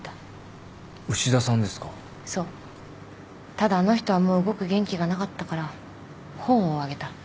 ただあの人はもう動く元気がなかったから本をあげた。